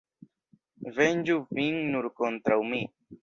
Venĝu vin nur kontraŭ mi.